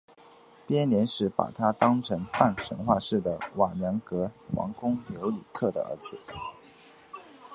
编年史把他当成半神话式的瓦良格王公留里克的儿子。